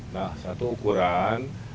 nah satu ukuran